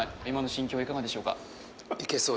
いけそう